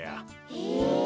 へえ。